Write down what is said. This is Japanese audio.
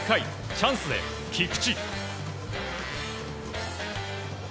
チャンスで菊池。